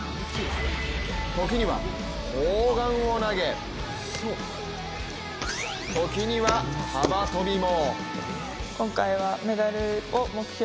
時には砲丸を投げ時には、幅跳びも。